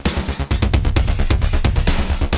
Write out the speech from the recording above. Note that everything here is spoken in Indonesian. dan kan ternyata